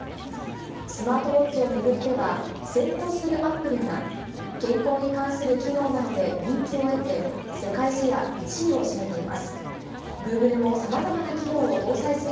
スマートウォッチを巡っては、先行するアップルが、健康に関する機能などで人気を得て、世界シェア１位を占めています。